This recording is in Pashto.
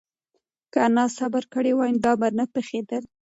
که انا صبر کړی وای، دا به نه پېښېدل.